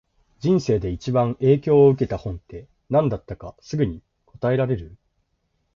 人生で一番影響を受けた本って、何だったかすぐに答えられる？